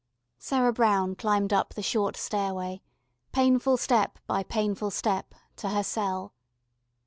Sarah Brown climbed up the short stairway, painful step by painful step, to her cell.